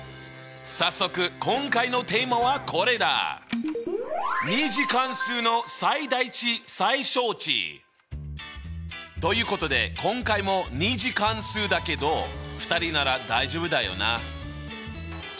早速今回のテーマはこれだ！ということで今回も２次関数だけど２人なら大丈夫だよな。